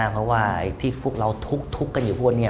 เพราะว่าที่พวกเราทุกข์กันอยู่พวกนี้